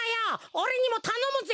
おれにもたのむぜ！